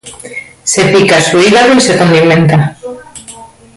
Se pica su hígado y se condimenta.